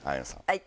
はい。